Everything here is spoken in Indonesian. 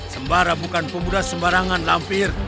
sembara bukan pemuda sembarangan lampir